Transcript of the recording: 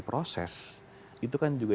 proses itu kan juga